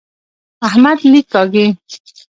احمد لیک کاږي.